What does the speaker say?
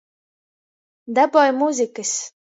Daboj muzykys!